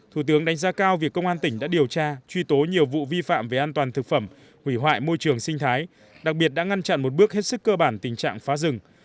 thủ tướng đánh giá cao việc công an tỉnh đã điều tra truy tố nhiều vụ vi phạm về an toàn thực phẩm hủy hoại môi trường sinh thái đặc biệt đã ngăn chặn một bước hết sức cơ bản tình trạng phá rừng